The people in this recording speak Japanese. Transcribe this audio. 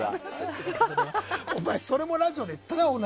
それもラジオで言ったな。